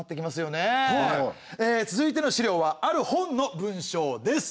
続いての資料はある本の文章です。